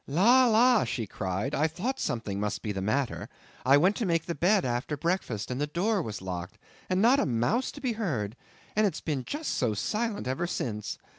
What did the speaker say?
"La! la!" she cried, "I thought something must be the matter. I went to make the bed after breakfast, and the door was locked; and not a mouse to be heard; and it's been just so silent ever since.